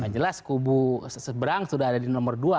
jelas kubu seberang sudah ada di nomor dua